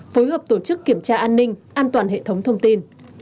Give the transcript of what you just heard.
phối hợp tổ chức kiểm tra an ninh an toàn hệ thống thông tin